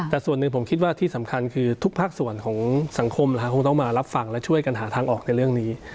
แต่ส่วนหนึ่งผมคิดว่าที่สำคัญคือทุกภาคส่วนของสังคมคงต้องมารับฟังและช่วยกันหาทางออกในเรื่องนี้